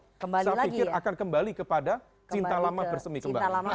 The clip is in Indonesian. saya pikir akan kembali kepada cinta lama bersemi kembali